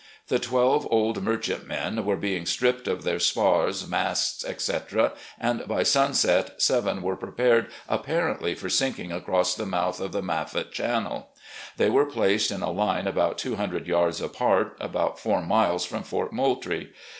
The twelve old merchantmen were being stripped of their spars, masts, etc., and by sunset seven were prepared apparently for sinking across the mouth of the Maffitt Channel. They were placed in a line about two hundred yards apart, about four miles from Fort Moultrie.